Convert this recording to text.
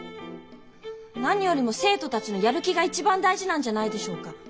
何よりも生徒たちのやる気が一番大事なんじゃないでしょうか。